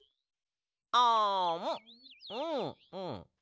あむうんうん。